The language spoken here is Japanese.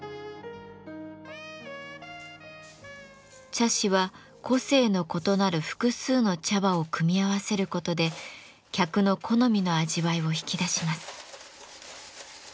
茶師は個性の異なる複数の茶葉を組み合わせることで客の好みの味わいを引き出します。